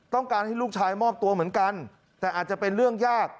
ต้องการให้ลูกชายมอบตัวเหมือนกันแต่อาจจะเป็นเรื่องยาก